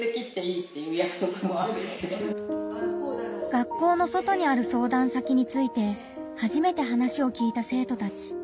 学校の外にある相談先についてはじめて話を聞いた生徒たち。